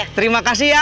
terima kasih ya